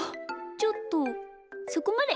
ちょっとそこまで。